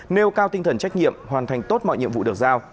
nêu cao tinh thần trách nhiệm hoàn thành tốt mọi nhiệm vụ được giao